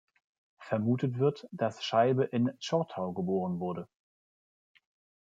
Vermutet wird, dass Scheibe in Zschortau geboren wurde.